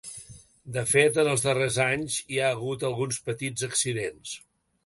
De fet, en els darrers anys hi ha hagut alguns petits accidents.